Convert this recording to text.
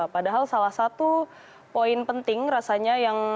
padahal salah satu poin penting rasanya yang